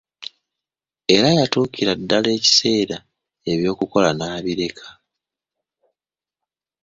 Era yatuukira ddala ekiseera eby'okukola n'abireka.